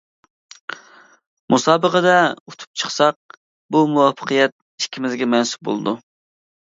مۇسابىقىدە ئۇتۇپ چىقساق، بۇ مۇۋەپپەقىيەت ئىككىمىزگە مەنسۇپ بولىدۇ.